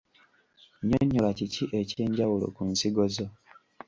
Nyonnyola kiki ekyenjawulo ku nsigo zo.